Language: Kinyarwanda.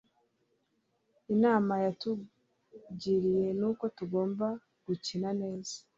Inama yatugiriye ni uko tugomba gukina neza